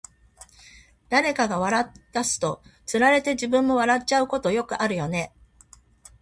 誰かが笑い出すと、つられて自分も笑っちゃうことってよくあるよね。